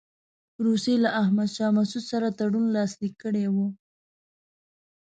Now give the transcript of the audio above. روسیې له احمدشاه مسعود سره تړون لاسلیک کړی وو.